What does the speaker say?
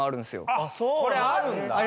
あっこれあるんだ！